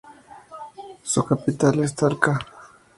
Su capital es Talca.